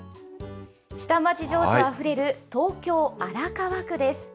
下町情緒あふれる東京・荒川区です。